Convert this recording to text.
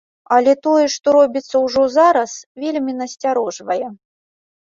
Але тое, што робіцца ўжо зараз, вельмі насцярожвае.